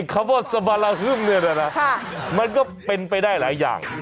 คำว่าสบาลาฮึ่มเนี่ยนะมันก็เป็นไปได้หลายอย่าง